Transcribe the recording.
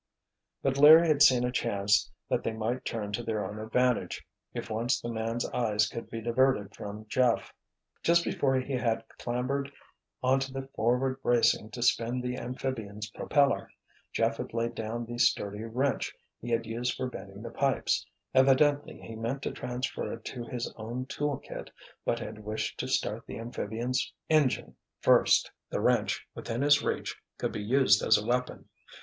But Larry had seen a chance that they might turn to their own advantage if once the man's eyes could be diverted from Jeff. Just before he had clambered onto the forward bracing to spin the amphibian's propeller, Jeff had laid down the sturdy wrench he had used for bending the pipes; evidently he meant to transfer it to his own tool kit but had wished to start the amphibian's engine first. The wrench, within his reach, could be used as a weapon.